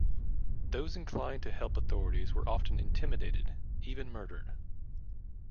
Those inclined to help authorities were often intimidated, even murdered.